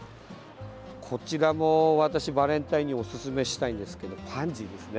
こちらも私、バレンタインにおすすめしたいんですけどパンジーですね。